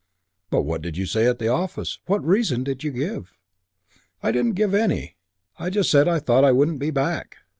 "But what did you say at the office? What reason did you give?" "Didn't give any. I just said I thought I wouldn't be back."